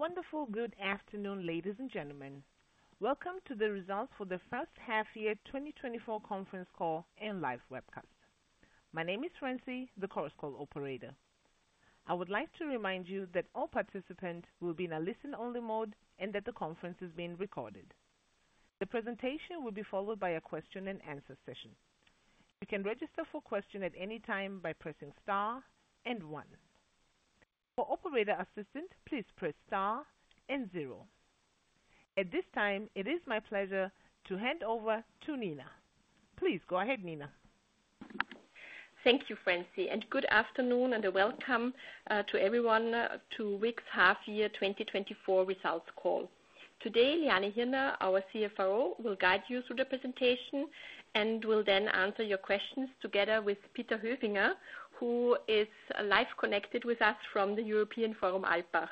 A wonderful good afternoon, ladies and gentlemen. Welcome to the results for the first half year, twenty twenty-four conference call and live webcast. My name is Franci, the conference call operator. I would like to remind you that all participants will be in a listen-only mode and that the conference is being recorded. The presentation will be followed by a question and answer session. You can register for question at any time by pressing star and one. For operator assistant, please press star and zero. At this time, it is my pleasure to hand over to Nina. Please go ahead, Nina. Thank you, Franci, and good afternoon and welcome to everyone, to VIG's half year 2024 results call. Today, Liane Hirner, our CFO, will guide you through the presentation and will then answer your questions together with Peter Höfinger, who is live connected with us from the European Forum Alpbach.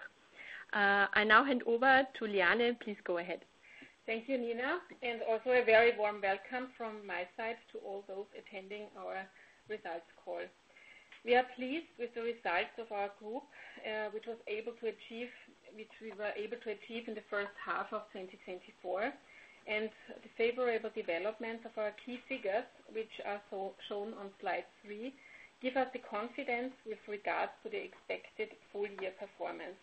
I now hand over to Liane. Please go ahead. Thank you, Nina, and also a very warm welcome from my side to all those attending our results call. We are pleased with the results of our group, which we were able to achieve in the first half of 2024, and the favorable development of our key figures, which are as shown on slide three, give us the confidence with regards to the expected full year performance.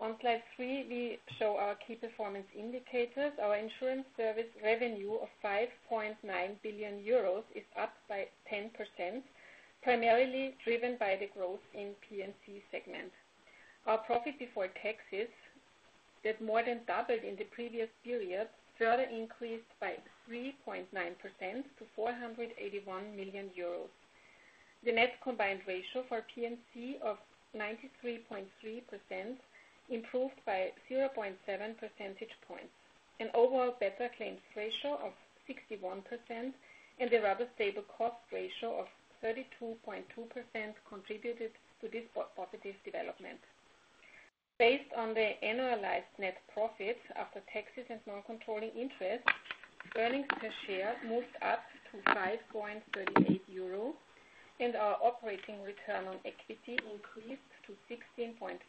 On slide three, we show our key performance indicators. Our insurance service revenue of 5.9 billion euros is up by 10%, primarily driven by the growth in P&C segment. Our profit before taxes, that more than doubled in the previous period, further increased by 3.9% to 481 million euros. The net combined ratio for P&C of 93.3% improved by 0.7 percentage points. An overall better claims ratio of 61% and a rather stable cost ratio of 32.2% contributed to this positive development. Based on the annualized net profits after taxes and non-controlling interest, earnings per share moved up to 5.38 euro, and our operating return on equity increased to 16.2%.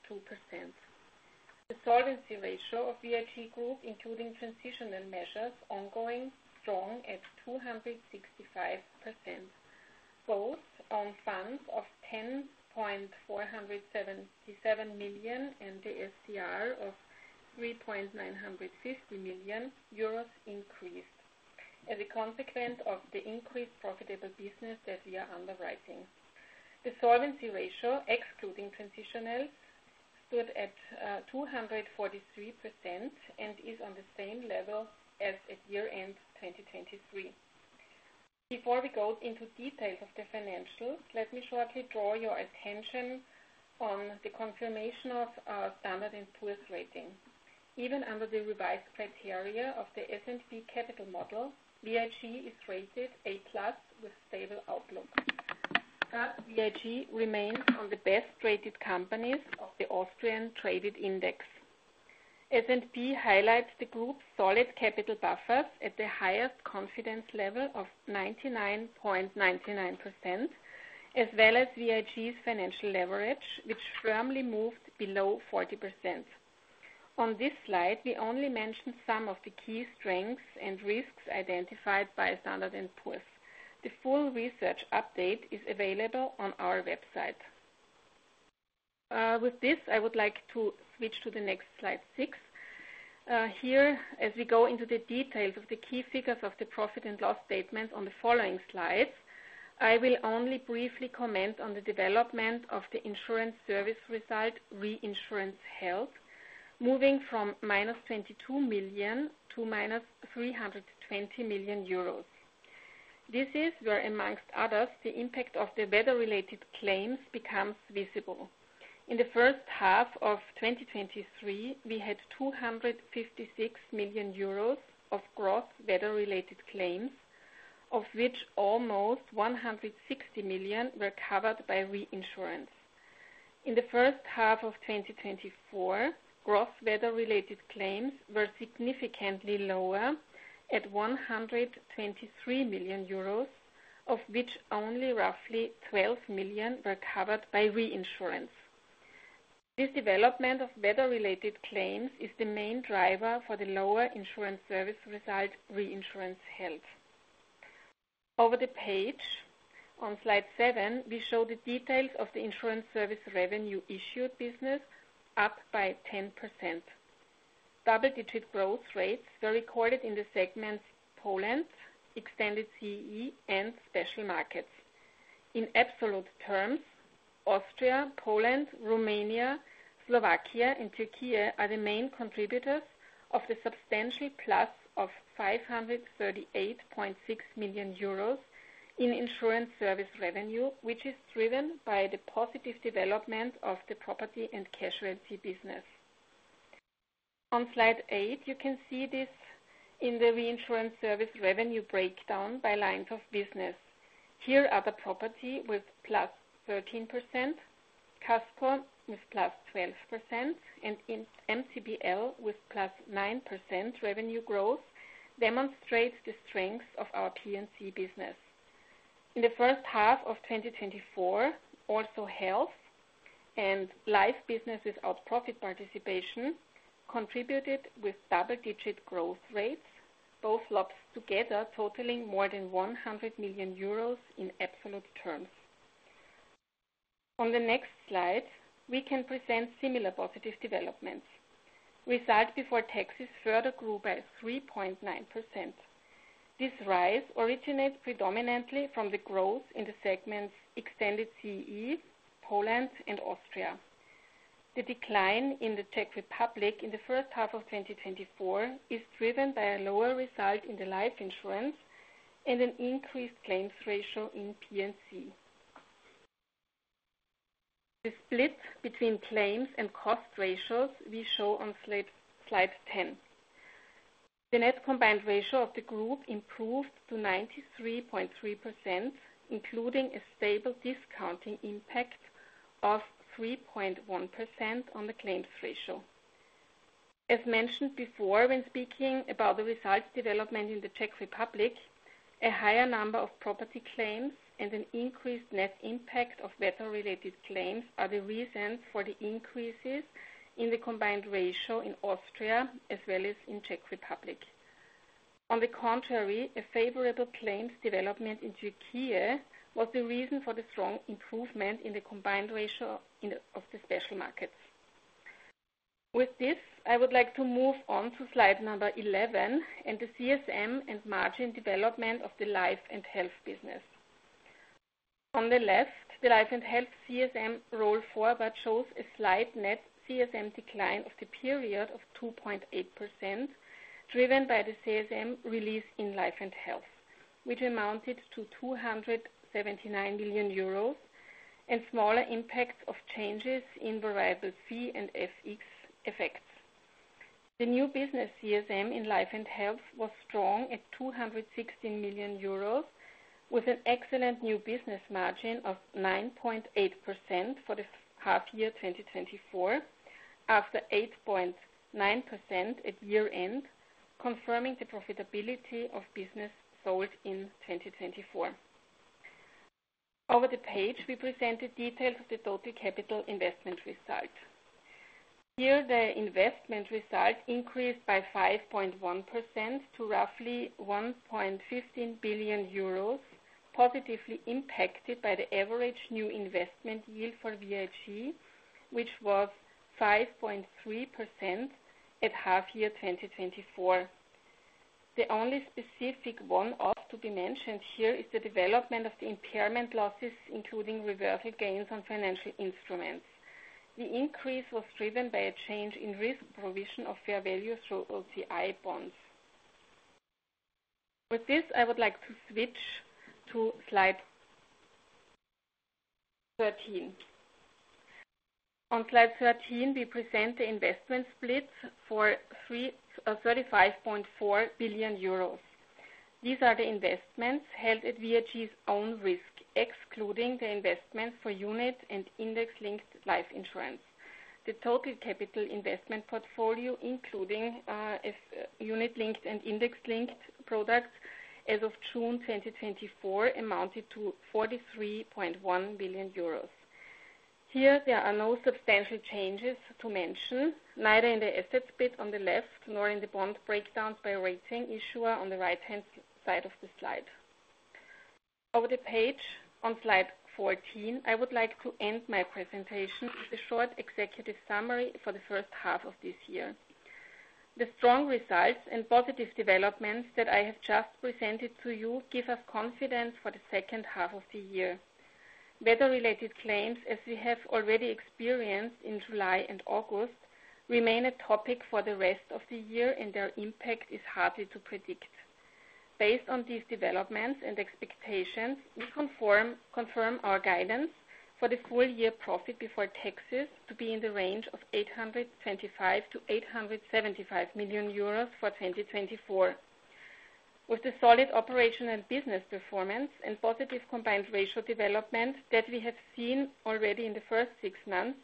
The solvency ratio of VIG Group, including transitional measures, ongoing strong at 265%, both own funds of 10.477 million EUR and the SCR of 3.950 million euros increased as a consequence of the increased profitable business that we are underwriting. The solvency ratio, excluding transitional, stood at 243% and is on the same level as at year-end 2023. Before we go into details of the financials, let me shortly draw your attention on the confirmation of our Standard and Poor's rating. Even under the revised criteria of the S&P capital model, VIG is rated A plus with stable outlook. Thus, VIG remains on the best-rated companies of the Austrian traded index. S&P highlights the group's solid capital buffers at the highest confidence level of 99.99%, as well as VIG's financial leverage, which firmly moved below 40%. On this slide, we only mentioned some of the key strengths and risks identified by Standard and Poor's. The full research update is available on our website. With this, I would like to switch to the next slide six. Here, as we go into the details of the key figures of the profit and loss statement on the following slides, I will only briefly comment on the development of the insurance service result, reinsurance result, moving from minus 22 million to minus 320 million euros. This is where, among others, the impact of the weather-related claims becomes visible. In the first half of 2023, we had 256 million euros of gross weather-related claims, of which almost 160 million were covered by reinsurance. In the first half of 2024, gross weather-related claims were significantly lower at 123 million euros, of which only roughly 12 million were covered by reinsurance. This development of weather-related claims is the main driver for the lower insurance service result, reinsurance result. Over the page, on slide seven, we show the details of the insurance service revenue issued business up by 10%. Double-digit growth rates were recorded in the segments Poland, Extended CEE, and Special Markets. In absolute terms, Austria, Poland, Romania, Slovakia, and Türkiye are the main contributors of the substantial plus of 538.6 million euros in insurance service revenue, which is driven by the positive development of the property and casualty business. On slide eight, you can see this in the reinsurance service revenue breakdown by lines of business. Here, the property with +13%, Casco with +12%, and MTPL with +9% revenue growth demonstrates the strength of our P&C business. In the first half of 2024, also health and life businesses without profit participation contributed with double-digit growth rates, both lines together totaling more than 100 million euros in absolute terms. On the next slide, we can present similar positive developments. Results before taxes further grew by 3.9%. This rise originates predominantly from the growth in the segments Extended CE, Poland, and Austria. The decline in the Czech Republic in the first half of 2024 is driven by a lower result in the life insurance and an increased claims ratio in P&C. The split between claims and cost ratios we show on slide ten. The net combined ratio of the group improved to 93.3%, including a stable discounting impact of 3.1% on the claims ratio. As mentioned before, when speaking about the results development in the Czech Republic, a higher number of property claims and an increased net impact of weather-related claims are the reasons for the increases in the combined ratio in Austria, as well as in Czech Republic. On the contrary, a favorable claims development in Turkey was the reason for the strong improvement in the combined ratio in the special markets. With this, I would like to move on to slide number 11 and the CSM and margin development of the life and health business. On the left, the life and health CSM roll-forward, but shows a slight net CSM decline of the period of 2.8%, driven by the CSM release in life and health, which amounted to 279 billion euros, and smaller impacts of changes in Variable Fee and FX effects. The new business CSM in life and health was strong at 216 million euros, with an excellent new business margin of 9.8% for the half year 2024, after 8.9% at year-end, confirming the profitability of business sold in 2024. Over the page, we present the details of the total capital investment result. Here, the investment result increased by 5.1% to roughly 1.15 billion euros, positively impacted by the average new investment yield for VIG, which was 5.3% at half year 2024. The only specific one-off to be mentioned here is the development of the impairment losses, including reverted gains on financial instruments. The increase was driven by a change in risk provision of fair value through OCI bonds. With this, I would like to switch to slide 13. On slide 13, we present the investment splits for thirty-five point four billion euros. These are the investments held at VIG's own risk, excluding the investments for unit and index-linked life insurance. The total capital investment portfolio, including unit-linked and index-linked products as of June 2024, amounted to 43.1 billion euros. Here, there are no substantial changes to mention, neither in the asset split on the left, nor in the bond breakdowns by rating issuer on the right-hand side of the slide. Over the page, on slide fourteen, I would like to end my presentation with a short executive summary for the first half of this year. The strong results and positive developments that I have just presented to you give us confidence for the second half of the year. Weather-related claims, as we have already experienced in July and August, remain a topic for the rest of the year, and their impact is hardly to predict. Based on these developments and expectations, we confirm our guidance for the full year profit before taxes to be in the range of 825 million-875 million euros for 2024. With the solid operational business performance and positive combined ratio development that we have seen already in the first six months,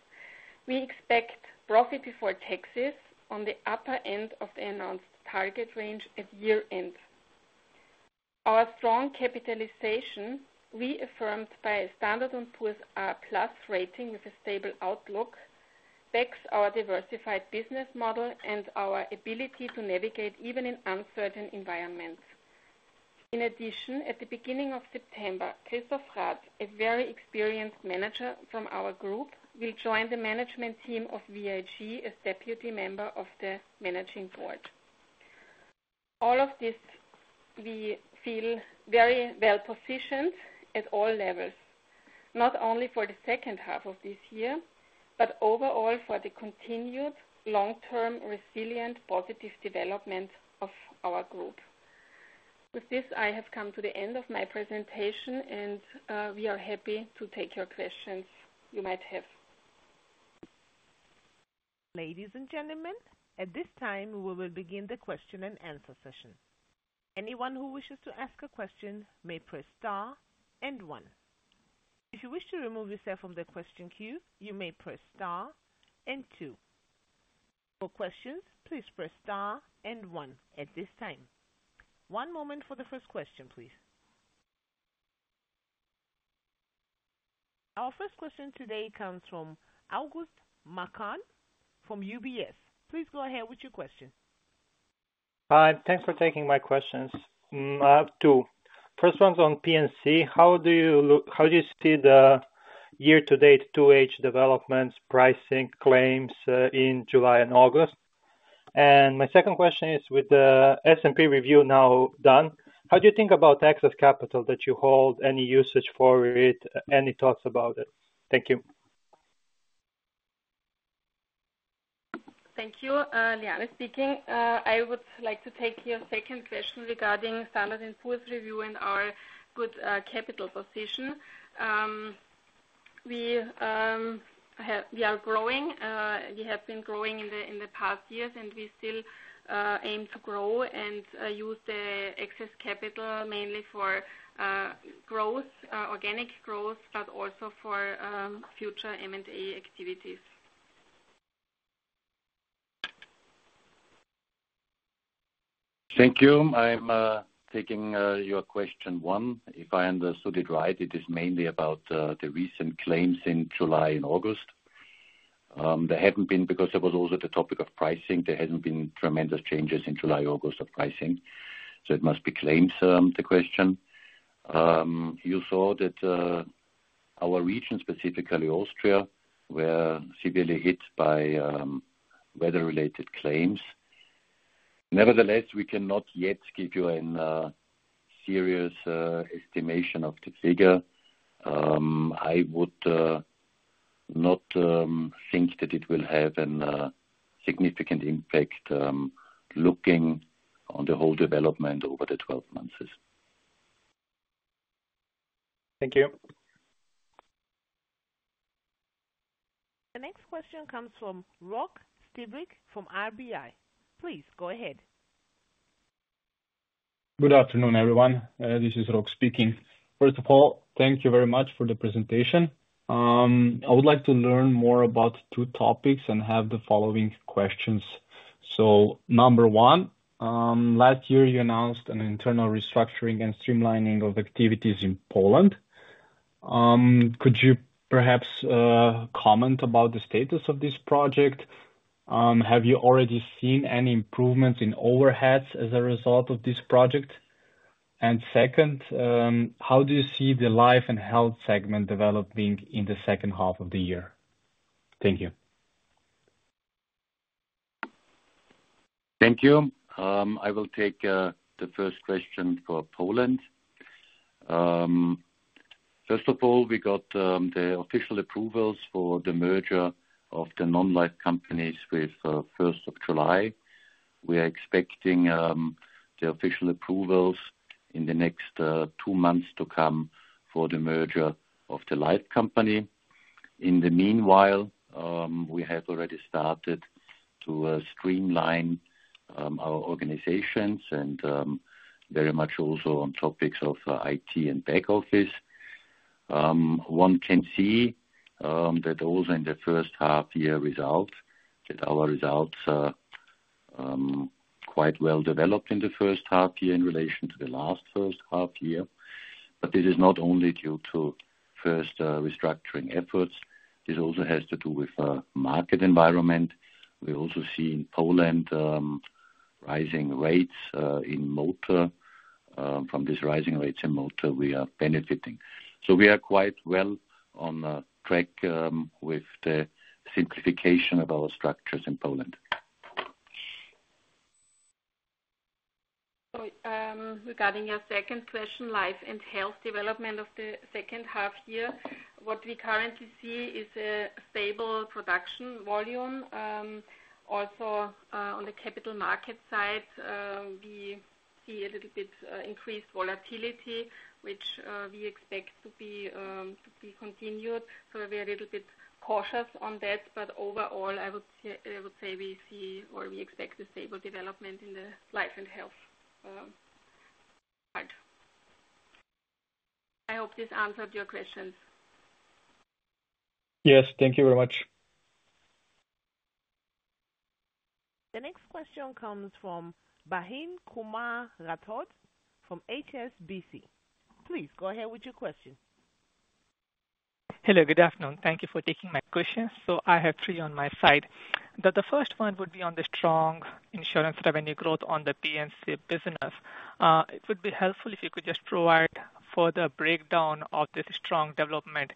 we expect profit before taxes on the upper end of the announced target range at year-end. Our strong capitalization, reaffirmed by Standard & Poor's A plus rating with a stable outlook, backs our diversified business model and our ability to navigate even in uncertain environments. In addition, at the beginning of September, Christoph Rath, a very experienced manager from our group, will join the management team of VIG as deputy member of the Managing Board. All of this, we feel very well positioned at all levels, not only for the second half of this year, but overall for the continued long-term, resilient, positive development of our group. With this, I have come to the end of my presentation, and we are happy to take your questions you might have. Ladies and gentlemen, at this time, we will begin the question and answer session. Anyone who wishes to ask a question may press star and one. If you wish to remove yourself from the question queue, you may press star and two.... For questions, please press star and one at this time. One moment for the first question, please. Our first question today comes from August Makan from UBS. Please go ahead with your question. Hi, thanks for taking my questions. I have two. First one's on P&C. How do you see the year-to-date 2H developments, pricing, claims, in July and August? And my second question is, with the S&P review now done, how do you think about excess capital that you hold, any usage for it? Any thoughts about it? Thank you. Thank you. Liane speaking. I would like to take your second question regarding Standard and Poor's review and our good capital position. We are growing. We have been growing in the past years, and we still aim to grow and use the excess capital mainly for growth, organic growth, but also for future M&A activities. Thank you. I'm taking your question one. If I understood it right, it is mainly about the recent claims in July and August. There hadn't been, because there was also the topic of pricing, there hadn't been tremendous changes in July, August of pricing, so it must be claims the question. You saw that our region, specifically Austria, were severely hit by weather-related claims. Nevertheless, we cannot yet give you a serious estimation of the figure. I would not think that it will have a significant impact, looking on the whole development over the 12 months. Thank you. The next question comes from Rok Stuhec from RBI. Please go ahead. Good afternoon, everyone. This is Roke speaking. First of all, thank you very much for the presentation. I would like to learn more about two topics and have the following questions. So number one, last year you announced an internal restructuring and streamlining of activities in Poland. Could you perhaps comment about the status of this project? Have you already seen any improvements in overheads as a result of this project? And second, how do you see the life and health segment developing in the second half of the year? Thank you. Thank you. I will take the first question for Poland. First of all, we got the official approvals for the merger of the non-life companies with first of July. We are expecting the official approvals in the next two months to come for the merger of the life company. In the meanwhile, we have already started to streamline our organizations and very much also on topics of IT and back office. One can see that also in the first half year results, that our results are quite well developed in the first half year in relation to the last first half year. But this is not only due to first restructuring efforts, this also has to do with market environment. We also see in Poland rising rates in motor. From these rising rates in motor, we are benefiting. So we are quite well on track with the simplification of our structures in Poland. So, regarding your second question, life and health development of the second half year, what we currently see is a stable production volume. Also, on the capital market side, we see a little bit increased volatility, which we expect to be continued. So we're a little bit cautious on that, but overall, I would say we see or we expect a stable development in the life and health part. I hope this answered your questions. Yes, thank you very much. The next question comes from Baheen Kumar Rathod from HSBC. Please go ahead with your question. Hello, good afternoon. Thank you for taking my question. So I have three on my side. The first one would be on the strong insurance revenue growth on the P&C business. It would be helpful if you could just provide further breakdown of this strong development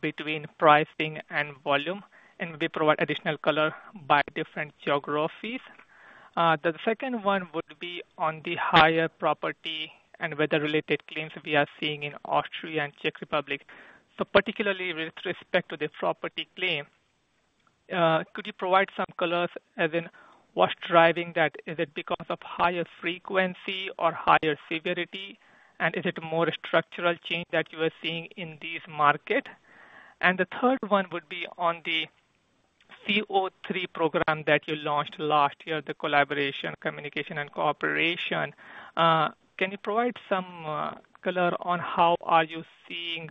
between pricing and volume, and maybe provide additional color by different geographies. The second one would be on the higher property and weather-related claims we are seeing in Austria and Czech Republic. So particularly with respect to the property claim, could you provide some colors, as in what's driving that? Is it because of higher frequency or higher severity? And is it a more structural change that you are seeing in this market? And the third one would be on the CO3 program that you launched last year, the collaboration, communication, and cooperation. Can you provide some color on how are you seeing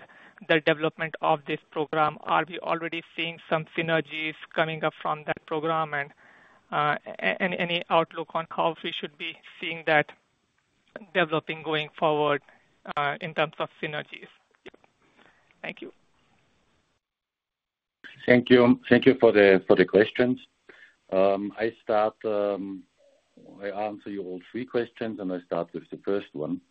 the development of this program? Are we already seeing some synergies coming up from that program? And any outlook on how we should be seeing that?... developing going forward, in terms of synergies? Thank you. Thank you. Thank you for the questions. I answer all three questions, and I start with the first one.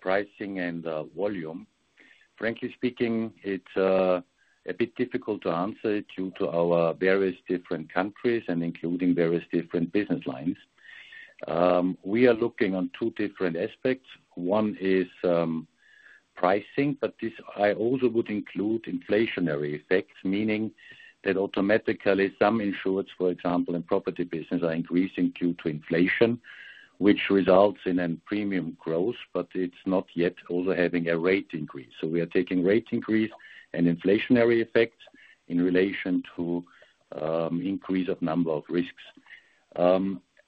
Pricing and volume. Frankly speaking, it's a bit difficult to answer due to our various different countries and including various different business lines. We are looking on two different aspects. One is pricing, but this, I also would include inflationary effects, meaning that automatically some insurers, for example, in property business, are increasing due to inflation, which results in a premium growth, but it's not yet also having a rate increase. So we are taking rate increase and inflationary effect in relation to increase of number of risks.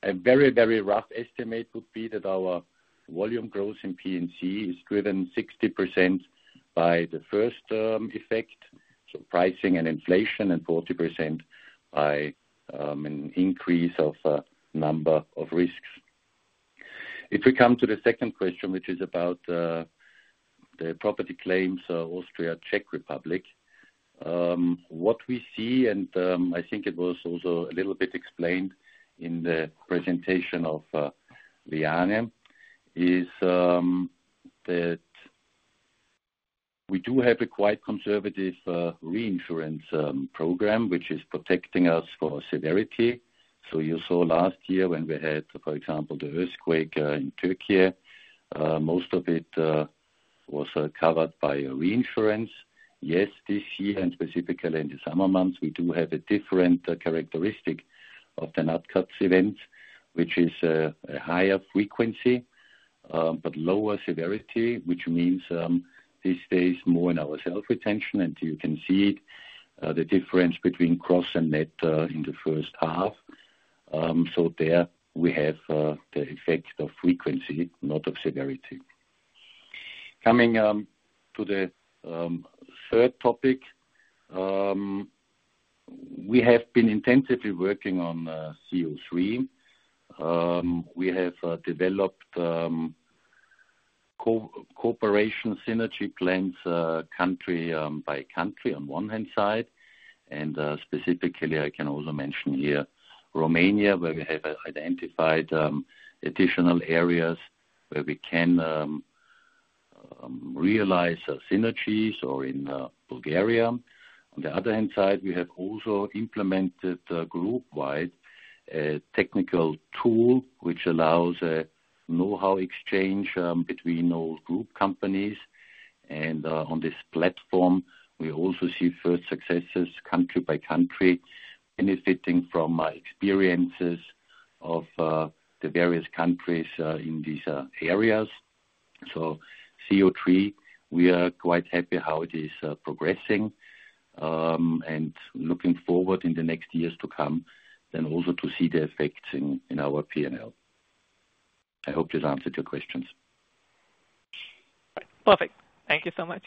A very, very rough estimate would be that our volume growth in P&C is driven 60% by the first effect, so pricing and inflation, and 40% by an increase of number of risks. If we come to the second question, which is about the property claims, Austria, Czech Republic. What we see and I think it was also a little bit explained in the presentation of Liane, is that we do have a quite conservative reinsurance program, which is protecting us for severity. So you saw last year when we had, for example, the earthquake in Turkey, most of it was covered by a reinsurance. Yes, this year, and specifically in the summer months, we do have a different characteristic of the nat cat event, which is a higher frequency, but lower severity. Which means, these days, more in our self-retention, and you can see the difference between gross and net in the first half. So there we have the effect of frequency, not of severity. Coming to the third topic. We have been intensively working on CO3. We have developed cooperation synergy plans, country by country on one hand side, and specifically, I can also mention here, Romania, where we have identified additional areas where we can realize synergies or in Bulgaria. On the other hand side, we have also implemented group-wide technical tool, which allows a know-how exchange between our group companies, and on this platform, we also see first successes, country by country, benefiting from experiences of the various countries in these areas, so CO3, we are quite happy how it is progressing, and looking forward in the next years to come, then also to see the effects in our PNL. I hope this answered your questions. Perfect. Thank you so much.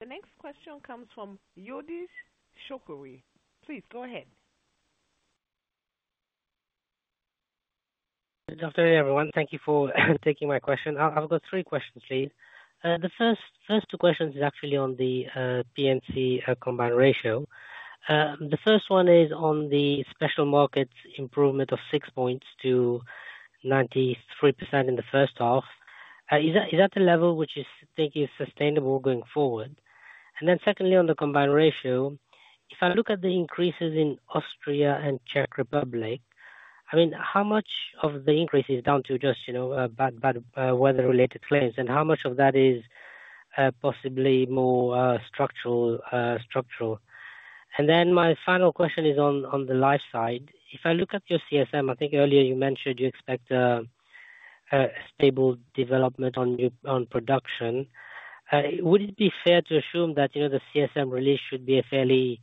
The next question comes from Jonas Schoukens. Please, go ahead. Good afternoon, everyone. Thank you for taking my question. I've got three questions, please. The first two questions is actually on the P&C combined ratio. The first one is on the special markets improvement of six points to 93% in the first half. Is that the level which you think is sustainable going forward? And then secondly, on the combined ratio, if I look at the increases in Austria and Czech Republic, I mean, how much of the increase is down to just, you know, bad weather-related claims, and how much of that is possibly more structural? And then my final question is on the life side. If I look at your CSM, I think earlier you mentioned you expect a stable development on your production. Would it be fair to assume that, you know, the CSM release should be a fairly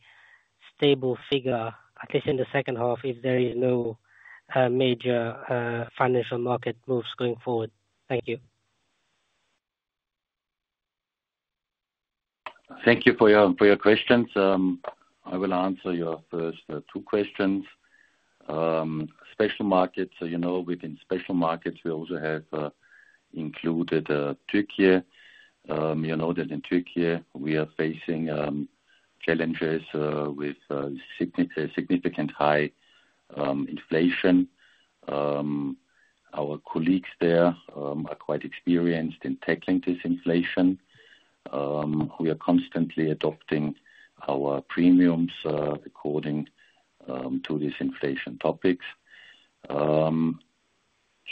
stable figure, at least in the second half, if there is no major financial market moves going forward? Thank you. Thank you for your questions. I will answer your first two questions. Special markets, so you know, within special markets, we also have included Turkey. You know that in Turkey we are facing challenges with significant high inflation. Our colleagues there are quite experienced in tackling this inflation. We are constantly adopting our premiums according to these inflation topics.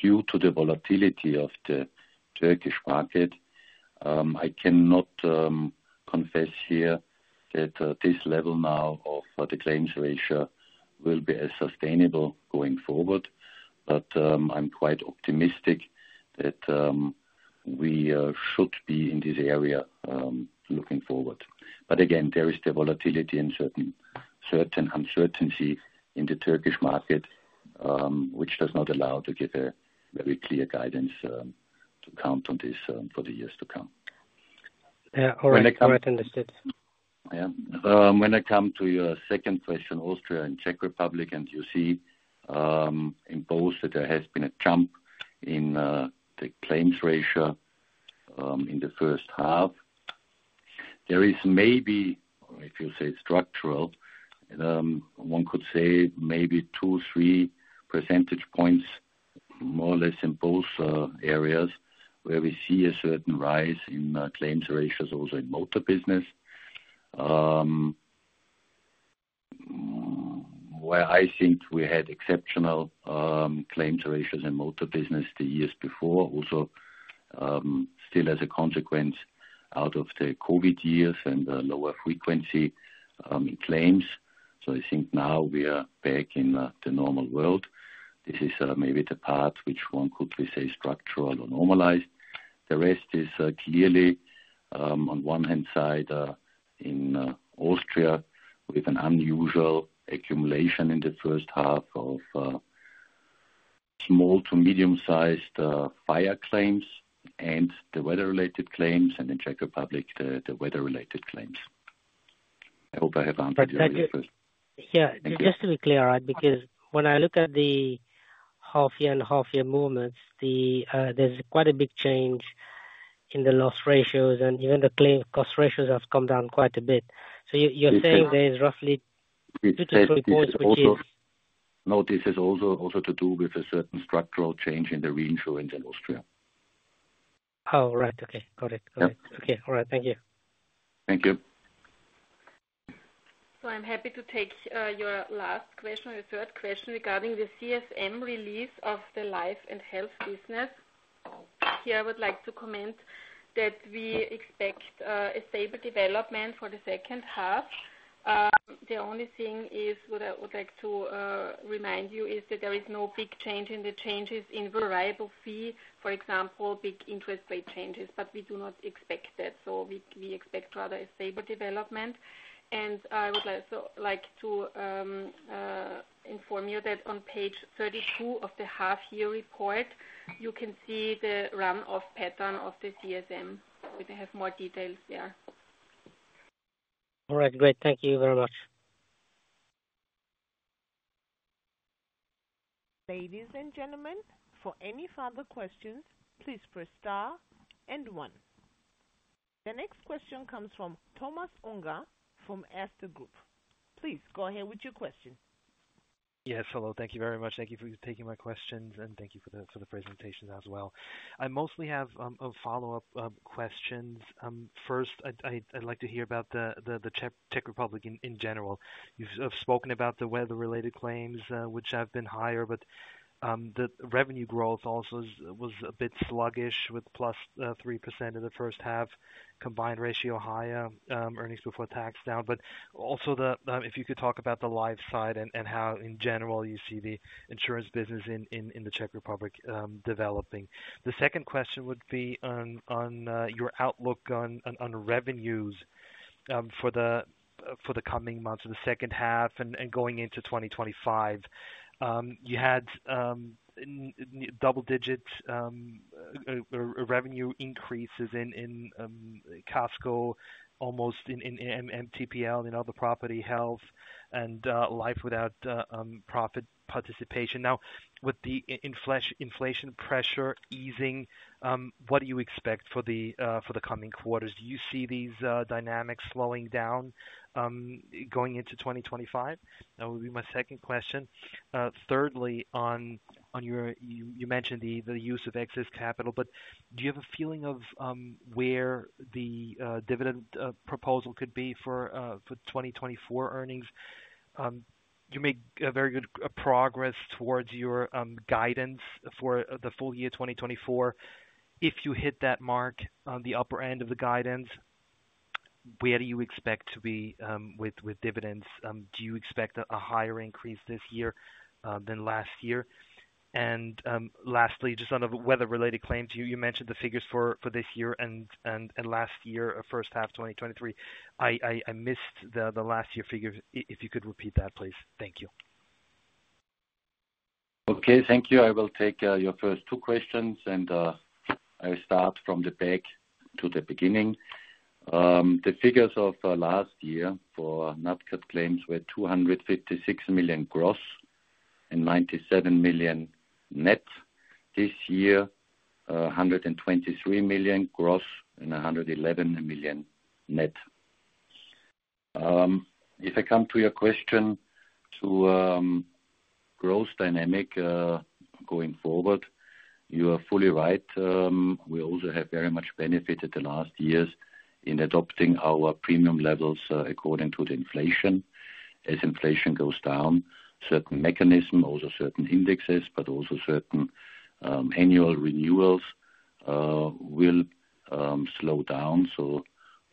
Due to the volatility of the Turkish market, I cannot confess here that this level now of what the claims ratio will be as sustainable going forward. But I'm quite optimistic that we should be in this area looking forward. But again, there is the volatility and certain uncertainty in the Turkish market, which does not allow to give a very clear guidance, to count on this, for the years to come.... Yeah, all right. Correct, understood. Yeah. When I come to your second question, Austria and Czech Republic, and you see in both that there has been a jump in the claims ratio in the first half. There is maybe, if you say structural, one could say maybe two, three percentage points, more or less in both areas, where we see a certain rise in claims ratios, also in motor business. Where I think we had exceptional claims ratios in motor business the years before. Also, still as a consequence out of the COVID years and lower frequency in claims. So I think now we are back in the normal world. This is maybe the part which one could we say, structural or normalized. The rest is clearly on one hand side in Austria with an unusual accumulation in the first half of small to medium-sized fire claims and the weather-related claims, and in Czech Republic the weather-related claims. I hope I have answered your question. Yeah. Thank you. Just to be clear, right? Because when I look at the half year and half year moments, there's quite a big change in the loss ratios, and even the claim cost ratios have come down quite a bit. So you- Yes. You're saying there's roughly two-to-three quotes, which is- No, this is also to do with a certain structural change in the reinsurance in Austria. Oh, right. Okay. Got it. Yeah. Okay. All right. Thank you. Thank you. I'm happy to take your last question, your third question regarding the CSM release of the life and health business. Here, I would like to comment that we expect a stable development for the second half. The only thing is, what I would like to remind you, is that there is no big change in the changes in variable fee, for example, big interest rate changes, but we do not expect that. So we expect rather a stable development. And I would like, like to inform you that on page 32 of the half-year report, you can see the run-off pattern of the CSM, we have more details there. All right, great. Thank you very much. Ladies and gentlemen, for any further questions, please press star and one. The next question comes from Thomas Unger from Erste Group. Please go ahead with your question. Yes, hello. Thank you very much. Thank you for taking my questions, and thank you for the presentation as well. I mostly have a follow-up questions. First, I'd like to hear about the Czech Republic in general. You've spoken about the weather-related claims which have been higher, but the revenue growth also was a bit sluggish, with plus 3% in the first half, combined ratio higher, earnings before tax down. But also if you could talk about the life side and how in general you see the insurance business in the Czech Republic developing. The second question would be on your outlook on revenues for the coming months, in the second half and going into 2025. You had double digits revenue increases in Casco, almost in MTPL, in other property health and life without profit participation. Now, with the inflation pressure easing, what do you expect for the coming quarters? Do you see these dynamics slowing down going into twenty twenty-five? That would be my second question. Thirdly, on your... You mentioned the use of excess capital, but do you have a feeling of where the dividend proposal could be for twenty twenty-four earnings? You made a very good progress towards your guidance for the full year, twenty twenty-four. If you hit that mark on the upper end of the guidance, where do you expect to be with dividends? Do you expect a higher increase this year than last year? And lastly, just on the weather-related claims, you mentioned the figures for this year and last year, first half 2023. I missed the last year figures. If you could repeat that, please. Thank you. Okay, thank you. I will take your first two questions, and I will start from the back to the beginning. The figures of last year for nat cat claims were 256 million gross and 97 million net. This year, 123 million gross and 111 million net. If I come to your question to growth dynamic going forward, you are fully right. We also have very much benefited the last years in adopting our premium levels according to the inflation. As inflation goes down, certain mechanism, also certain indexes, but also certain annual renewals will slow down. So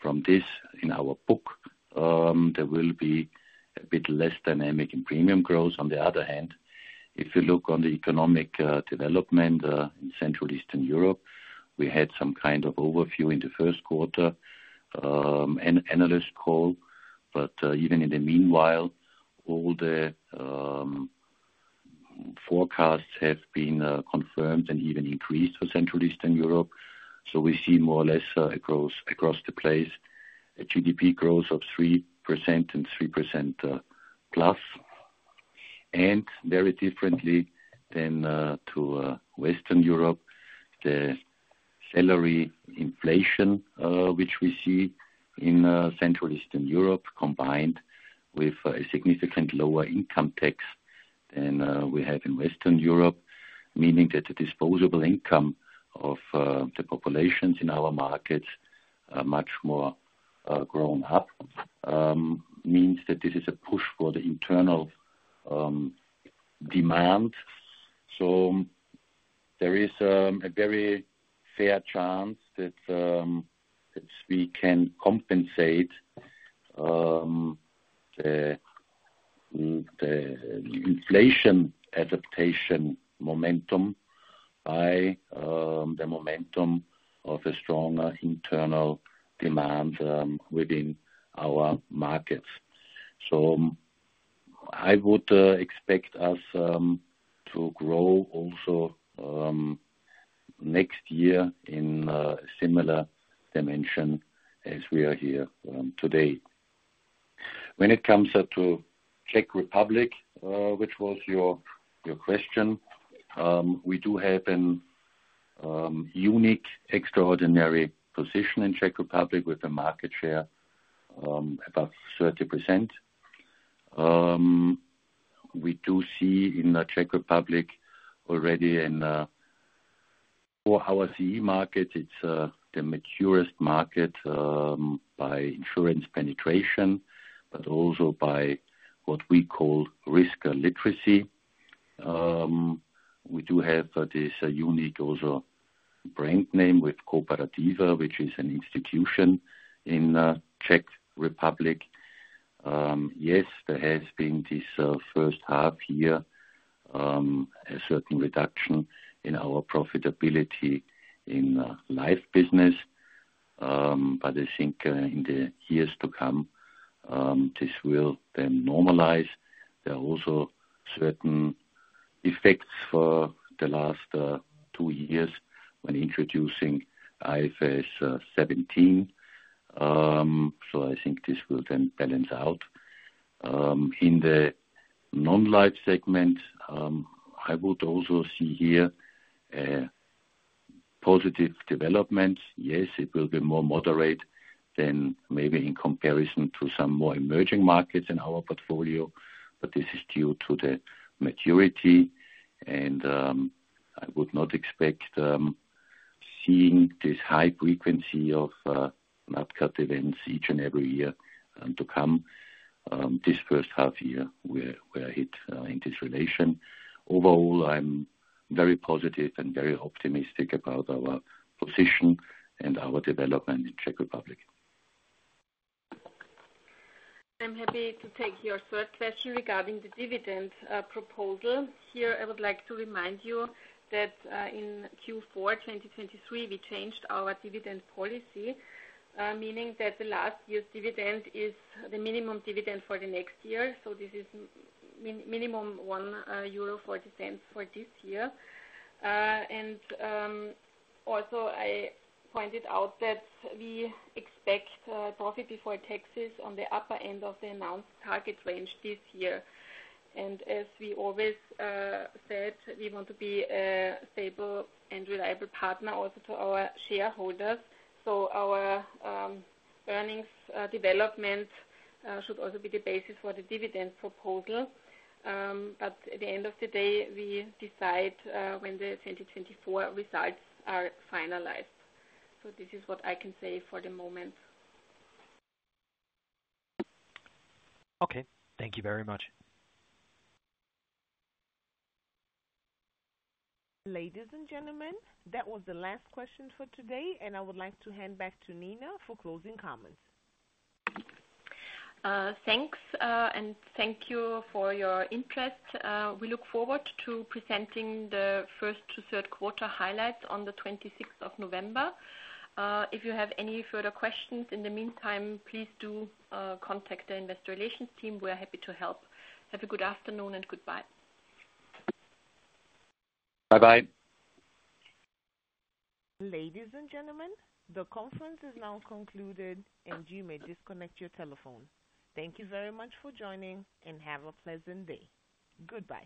from this, in our book, there will be a bit less dynamic in premium growth. On the other hand, if you look on the economic development in Central and Eastern Europe, we had some kind of overview in the first quarter, an analyst call, but even in the meanwhile, all the forecasts have been confirmed and even increased for Central and Eastern Europe. We see more or less across the place a GDP growth of 3% and 3%, plus. Very differently than to Western Europe, the salary inflation which we see in Central and Eastern Europe, combined with a significant lower income tax than we have in Western Europe. Meaning that the disposable income of the populations in our markets are much more grown up means that this is a push for the internal demand. So there is a very fair chance that we can compensate the inflation adaptation momentum by the momentum of a stronger internal demand within our markets. I would expect us to grow also next year in a similar dimension as we are here today. When it comes to Czech Republic, which was your question, we do have a unique extraordinary position in Czech Republic with a market share above 30%. We do see in the Czech Republic already in for our CE market; it's the maturest market by insurance penetration, but also by what we call risk literacy. We do have this unique also brand name with Kooperativa, which is an institution in Czech Republic. Yes, there has been this first half year a certain reduction in our profitability in life business. But I think in the years to come this will then normalize. There are also certain effects for the last two years when introducing IFRS 17. So I think this will then balance out. In the non-life segment I would also see here a positive development. Yes, it will be more moderate than maybe in comparison to some more emerging markets in our portfolio, but this is due to the maturity, and I would not expect seeing this high frequency of natural events each and every year to come. This first half year, we are hit in this relation. Overall, I'm very positive and very optimistic about our position and our development in Czech Republic. I'm happy to take your third question regarding the dividend proposal. Here, I would like to remind you that, in Q4 2023, we changed our dividend policy, meaning that the last year's dividend is the minimum dividend for the next year. So this is minimum 1.40 euro for this year, and also I pointed out that we expect profit before taxes on the upper end of the announced target range this year, and as we always said, we want to be a stable and reliable partner also to our shareholders, so our earnings development should also be the basis for the dividend proposal, but at the end of the day, we decide when the 2024 results are finalized, so this is what I can say for the moment. Okay, thank you very much. Ladies and gentlemen, that was the last question for today, and I would like to hand back to Nina for closing comments. Thanks, and thank you for your interest. We look forward to presenting the first to third quarter highlights on the twenty-sixth of November. If you have any further questions, in the meantime, please do contact the investor relations team. We are happy to help. Have a good afternoon and goodbye. Bye-bye. Ladies and gentlemen, the conference is now concluded, and you may disconnect your telephone. Thank you very much for joining, and have a pleasant day. Goodbye.